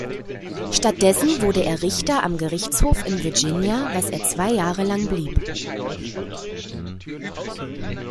Stattdessen wurde er Richter am Gerichtshof in Virginia, was er zwei Jahre lang blieb.